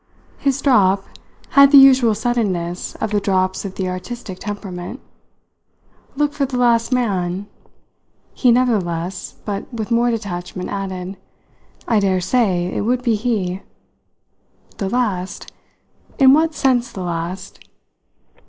His drop had the usual suddenness of the drops of the artistic temperament. "Look for the last man," he nevertheless, but with more detachment, added. "I daresay it would be he." "The last? In what sense the last?"